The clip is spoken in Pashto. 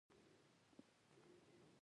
ټکر د بې احتیاطۍ پایله ده.